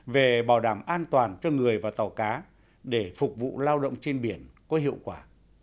về bảo đảm an toàn cho người và tàu cá để phục vụ lao động trên biển có hiệu quả